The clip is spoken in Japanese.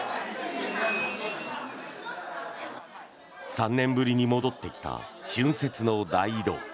３年ぶりに戻ってきた春節の大移動。